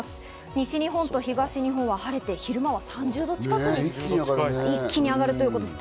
西日本と東日本は晴れて昼間は３０度くらいに一気に上がるということです。